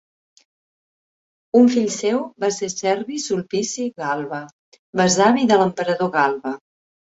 Un fill seu va ser Servi Sulpici Galba, besavi de l'emperador Galba.